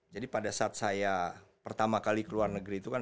jadi pada saat saya pertama kali keluar negeri itu kan